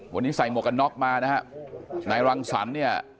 วันนี้ใส่หมวกกันน็อกมานะฮะนายรังสรรค์เนี่ย